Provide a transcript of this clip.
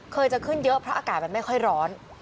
จะขึ้นเยอะเพราะอากาศมันไม่ค่อยร้อน